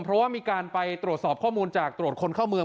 เพราะว่ามีการไปตรวจสอบข้อมูลจากตรวจคนเข้าเมือง